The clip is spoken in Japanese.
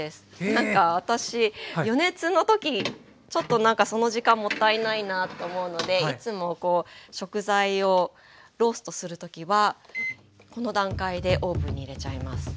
なんか私予熱の時ちょっとなんかその時間もったいないなと思うのでいつも食材をローストする時はこの段階でオーブンに入れちゃいます。